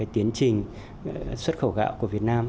tiến trình xuất khẩu gạo của việt nam